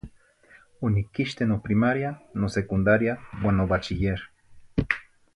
Onicquixte noprimaria, nosecundaria, uan nobachiller.